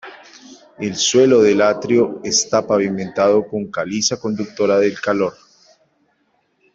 El suelo del atrio está pavimentado con caliza conductora del calor.